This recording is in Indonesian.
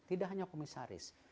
tidak hanya komisaris